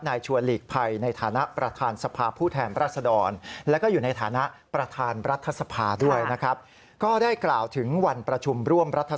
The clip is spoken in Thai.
นายชัวร์ถลีกภัยในฐานะประธานสภาพูดแทนรัศดร